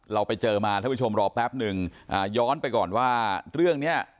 เราไปเจอมาท่านผู้ชมรอแป๊บหนึ่งย้อนไปก่อนว่าเรื่องนี้